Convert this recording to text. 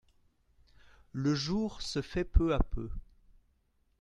Le jour se fait peu à peu.